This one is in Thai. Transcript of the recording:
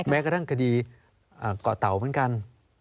แม้กระทั่งคดีเกาะเต่าเหมือนกัน